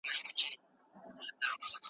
د کوچني مابينځ کي مي خپلي خوني ولیدې.